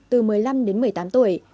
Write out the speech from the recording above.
từ một mươi năm đến một mươi tám tuổi